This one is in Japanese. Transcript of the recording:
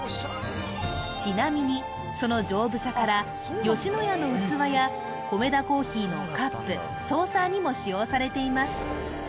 ちなみにその丈夫さから野家の器やコメダ珈琲のカップソーサーにも使用されています